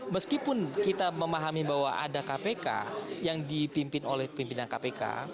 meskipun kita memahami bahwa ada kpk yang dipimpin oleh pimpinan kpk